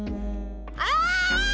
あ！